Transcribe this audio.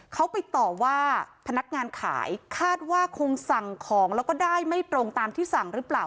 เขาไปต่อว่าพนักงานขายคาดว่าคงสั่งของแล้วก็ได้ไม่ตรงตามที่สั่งหรือเปล่า